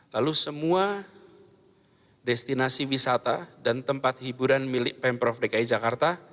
lalu semua destinasi wisata dan tempat hiburan milik pemprov dki jakarta